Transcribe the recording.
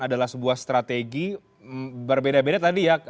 adalah sebuah strategi berbeda beda tadi ya